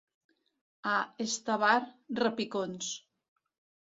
A Estavar, repicons.